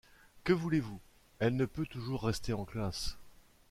Que voulez-vous ? elle ne peut toujours rester en classe.